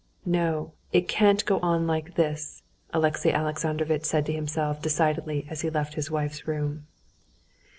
"No, it can't go on like this," Alexey Alexandrovitch said to himself decidedly as he left his wife's room.